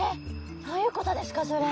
どういうことですかそれ！